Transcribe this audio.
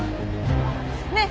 ねえ！